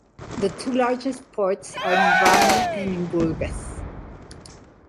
The two largest ports are in Varna and in Burgas.